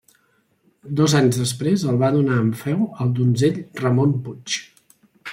Dos anys després el va donar en feu al donzell Ramon Puig.